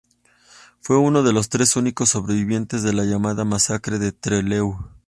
Fue uno de los tres únicos sobrevivientes de la llamada Masacre de Trelew.